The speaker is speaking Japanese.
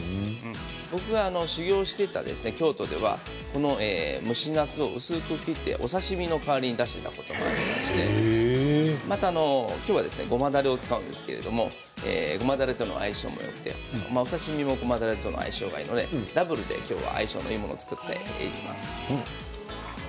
僕が修業していた京都では蒸しなすを薄く切ってお刺身の代わりに出していたこともありましてまた、今日はごまだれを使うんですけれどもごまだれとの相性もよくてお刺身もごまだれとの相性がいいので、ダブルで今日は相性のいいものを作っていきます。